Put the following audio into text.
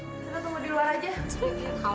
kita tunggu di luar aja supaya